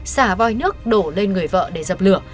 xả voi nước đổ lên người vợ để dập lửa